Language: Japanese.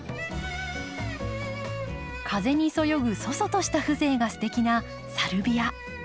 風にそよぐ楚々とした風情がすてきなサルビア。